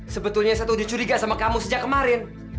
sebetulnya saya tuh curiga sama kamu sejak kemarin